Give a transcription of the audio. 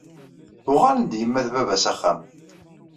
Uɣalen-d yemma d baba s axxam.